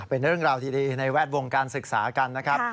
เป็นเรื่องราวดีในแวดวงการศึกษากันนะครับ